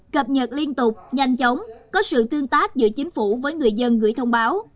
cập nhật liên tục nhanh chóng có sự tương tác giữa chính phủ với người dân gửi thông báo